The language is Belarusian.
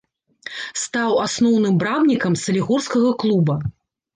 Стаў асноўным брамнікам салігорскага клуба.